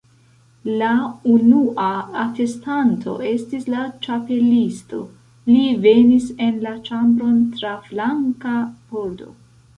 La unua atestanto estis la Ĉapelisto. Li venis en la ĉambron tra flanka pordo.